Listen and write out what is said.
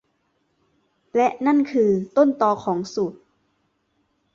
และนั่นคือต้นตอของสูต